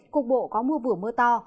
cục bộ có mưa vừa mưa to